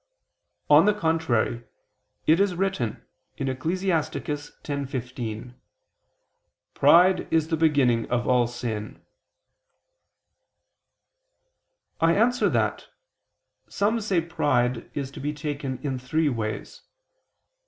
On the contrary, It is written (Ecclus. 10:15): "Pride is the beginning of all sin." I answer that, Some say pride is to be taken in three ways.